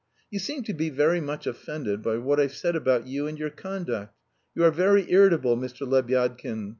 "You seem to be very much offended by what I've said about you and your conduct? You are very irritable, Mr. Lebyadkin.